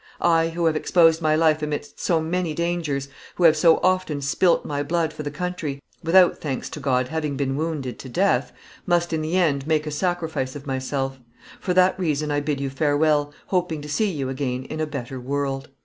I who have exposed my life amidst so many dangers, who have so often spilt my blood for the country, without, thanks to God, having been wounded to death, must in the end make a sacrifice of myself; for that reason I bid you farewell, hoping to see you again in a better world."